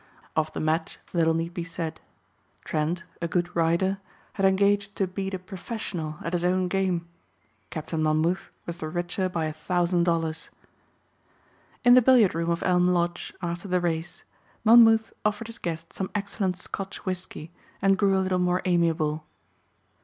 Of the match little need be said. Trent, a good rider, had engaged to beat a professional at his own game. Captain Monmouth was the richer by a thousand dollars. In the billiard room of Elm Lodge after the race Monmouth offered his guest some excellent Scotch whiskey and grew a little more amiable.